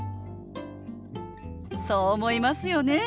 そう思いますよね。